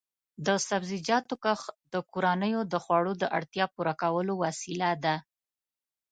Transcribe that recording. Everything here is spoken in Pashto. د سبزیجاتو کښت د کورنیو د خوړو د اړتیا پوره کولو وسیله ده.